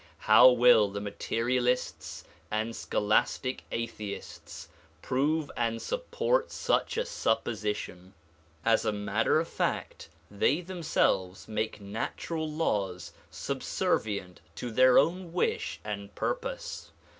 How will the materialists and scholastic atheists prove and support such a supposition? As a matter of fact they themselves make natural laws subservient to their own wish and purpose.